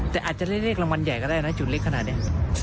แต่อาจจะได้เลขรางวัลใหญ่ก็ได้นะจุดเล็กขนาดนี้